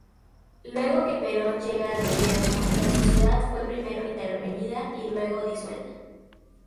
Luego que Perón llega al gobierno la Sociedad fue primero intervenida y luego disuelta.